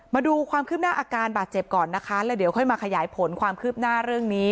มาดูความคืบหน้าอาการบาดเจ็บก่อนนะคะแล้วเดี๋ยวค่อยมาขยายผลความคืบหน้าเรื่องนี้